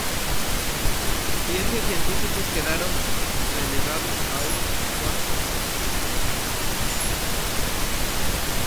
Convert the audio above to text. Ciencia e científicos quedaron relegados a un cuarto escuro.